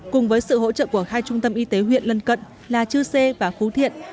cùng với sự hỗ trợ của hai trung tâm y tế huyện lân cận là chư sê và phú thiện